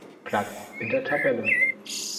Platz in der Tabelle.